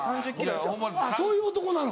あっそういう男なの？